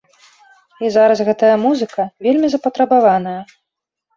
І зараз гэтая музыка вельмі запатрабаваная.